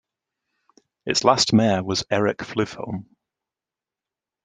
Its last mayor was Erik Flyvholm.